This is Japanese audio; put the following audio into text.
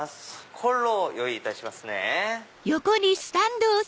コンロ用意いたしますね。